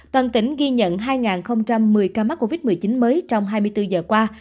toàn tỉnh ghi nhận hai một mươi ca mắc covid một mươi chín mới trong hai mươi bốn giờ qua